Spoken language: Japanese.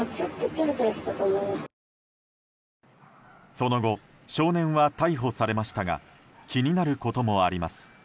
その後少年は逮捕されましたが気になることもあります。